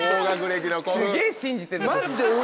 すげぇ信じてる。